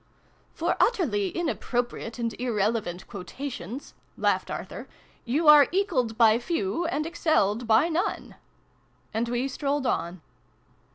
" For utterly inappropriate and irrelevant quotations," laughed Arthur, " you are 'ekalled by few, and excelled by none '!" And we strolled on.